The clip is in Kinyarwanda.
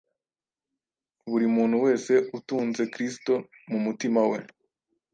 Buri muntu wese utunze Kristo mu mutima we,